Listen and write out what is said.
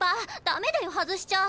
駄目だよ外しちゃ。